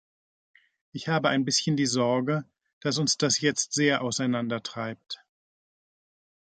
Ich habe ein bisschen die Sorge, dass uns das jetzt sehr auseinandertreibt.